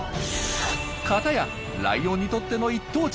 かたやライオンにとっての一等地！